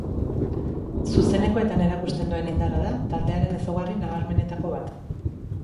Zuzenekoetan erakusten duen indarra da taldearen ezaugarri nabarmenetako bat.